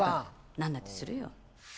何だってするよ。